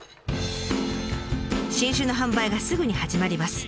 新酒の販売がすぐに始まります。